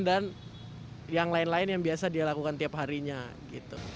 dan yang lain lain yang biasa dia lakukan tiap harinya gitu